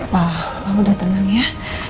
pak aku udah tenang ya